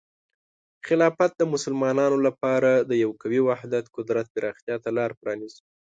خلافت د مسلمانانو لپاره د یو قوي واحد قدرت پراختیا ته لاره پرانیزي.